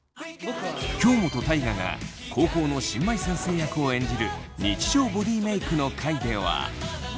京本大我が高校の新米先生役を演じる日常ボディメイクの回では。